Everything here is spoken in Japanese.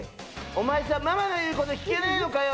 お前さ、ママの言うこと聞けねえのかよ。